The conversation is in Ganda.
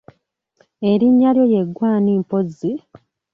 Erinnya lyo ye ggwe ani mpozzi?